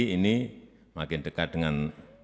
ini makin dekat dengan